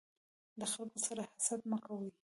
د خلکو سره حسد مه کوی.